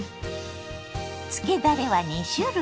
つけだれは２種類。